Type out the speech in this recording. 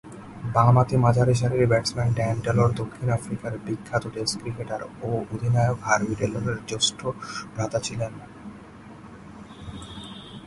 বামহাতি মাঝারিসারির batsman Dan Taylor দক্ষিণ আফ্রিকার বিখ্যাত টেস্ট ক্রিকেটার ও অধিনায়ক হার্বি টেলরের জ্যেষ্ঠ ভ্রাতা ছিলেন।